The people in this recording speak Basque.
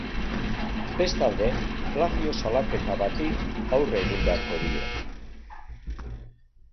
Bestalde, plagio salaketa bati aurre egin beharko dio.